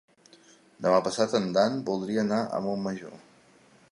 Demà passat en Dan voldria anar a Montmajor.